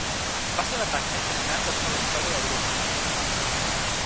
Va ser l’atac més sagnant de tota la història del grup basc.